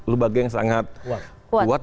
lembaga yang sangat kuat